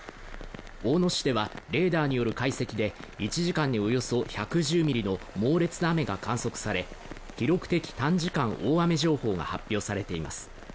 大野市ではレーダーによる解析で１時間におよそ１１０ミリの猛烈な雨が観測され記録的短時間大雨情報が発表されています